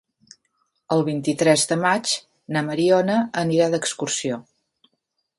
El vint-i-tres de maig na Mariona anirà d'excursió.